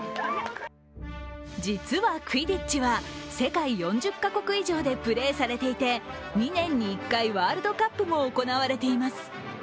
実はクィディッチは、世界４０か国以上でプレーされていて２年に１回、ワールドカップも行われています。